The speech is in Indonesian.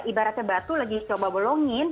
ibaratnya batu lagi coba bolongin